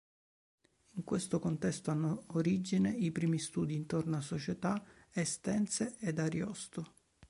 In questo contesto hanno origine i primi studi intorno a società estense ed Ariosto.